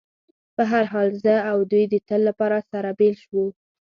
په هر حال، زه او دوی د تل لپاره سره بېل شو.